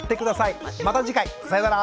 また次回さよなら。